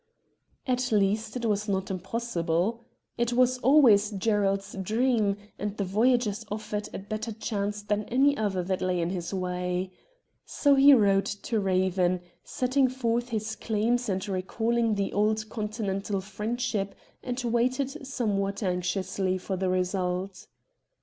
At least it was not impossible. It was always Gerald's dream, and the Voyagers offered a better chance than any other that lay in his way. So he wrote to Eaven, setting forth his claims and recalling the old Continental friendship, and waited somewhat anxiously for the result.